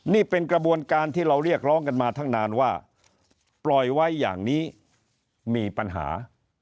นี่เป็นกระบวนการที่เราเรียกร้องกันมาทั้งนานว่าปล่อยไว้อย่างนี้มีปัญหา